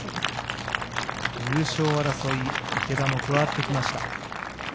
優勝争い、池田も加わってきました